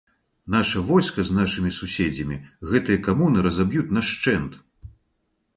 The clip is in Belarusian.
Наша войска з нашымі суседзямі гэтыя камуны разаб'юць нашчэнт!